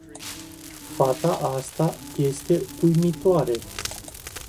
Fata asta este uimitoare.